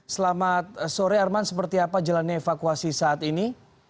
selamat sore arman seperti apa jalannya evakuasi saat ini